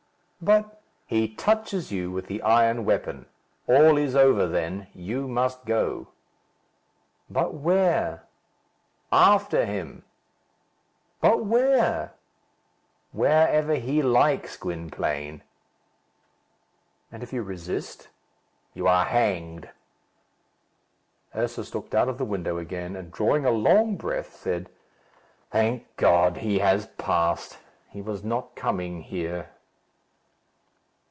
"But " "He touches you with the iron weapon. All is over then. You must go." "But where?" "After him." "But where?" "Wherever he likes, Gwynplaine." "And if you resist?" "You are hanged." Ursus looked out of the window again, and drawing a long breath, said, "Thank God! He has passed. He was not coming here."